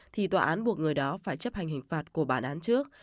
thì tòa án buộc người đó phải chấp hành hình phạt của bản án trước